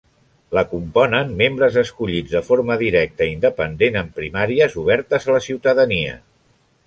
La componen membres escollits de forma directa i independent en primàries obertes a la ciutadania.